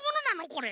これ。